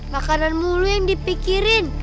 makanan mulu yang dipikirin